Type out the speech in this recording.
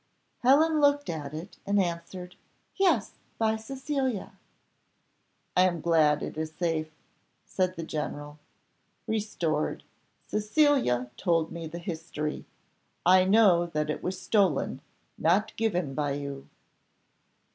Helen looked at it, and answered, "Yes, by Cecilia." "I am glad it is safe," said the general, "restored Cecilia told me the history. I know that it was stolen, not given by you."